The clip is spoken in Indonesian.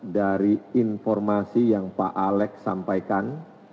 dari informasi yang pak alex sampaikan